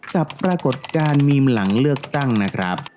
ปรากฏการณ์มีมหลังเลือกตั้งนะครับ